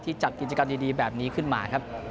ที่จัดกิจกรรมดีแบบนี้ขึ้นมา